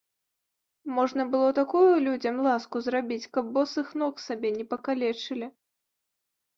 Можна было такую людзям ласку зрабіць, каб босых ног сабе не пакалечылі.